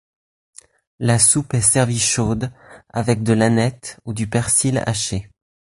La soupe est servie chaude, avec de l'aneth ou du persil haché.